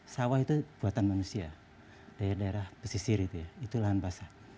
sawah itu buatan manusia daerah daerah pesisir itu ya itu lahan basah